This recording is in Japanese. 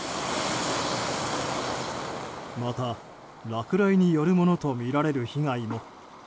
また、落雷によるものとみられる被害も。